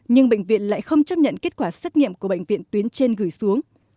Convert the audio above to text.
nhưng bệnh viện lại không chấp nhận kết quả xét nghiệm của bệnh viện tuyến trên gửi xuống